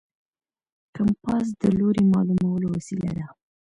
کمپاس د لوري معلومولو وسیله ده.